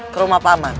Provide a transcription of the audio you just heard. ke rumah paman